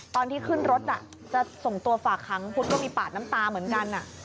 ตอนที่ขึ้นรถจะส่งตัวฝากค้างพุทธก็มีปาดน้ำตาเหมือนกัน